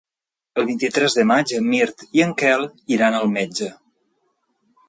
El vint-i-tres de maig en Mirt i en Quel iran al metge.